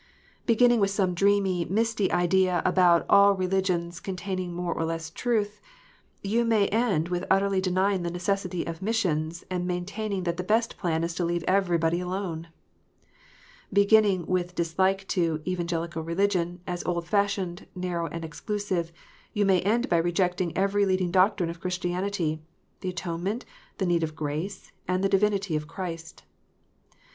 Beginning with some dreamy, misty idea about "all religions containing more or less truth," you may end with utterly denying the necessity of missions, and main taining that the best plan is to leave everybody alone. Begin ning with dislike to "Evangelical religion," as old fashioned, narrow, and exclusive, you may end by rejecting every leading doctrine of Christianity, the atonement, the need of grace, and the divinity of Christ.